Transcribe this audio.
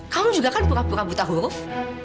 kamu juga kan pura pura buta huruf